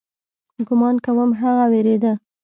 ګومان کوم هغه وېرېده.